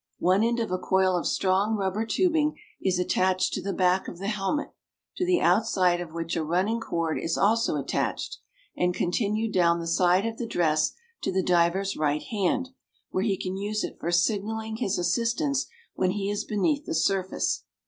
One end of a coil of strong rubber tubing is attached to the back of the helmet, to the outside of which a running cord is also attached, and continued down the side of the dress to the diver's right hand, where he can use it for signaling his assistants when he is beneath the surface.